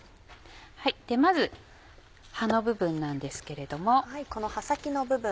まず葉の部分なんですけれども。